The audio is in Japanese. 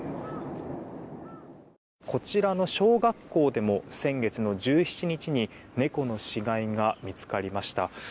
こちらの小学校でも先月の１７日に猫の死骸が見つかりました。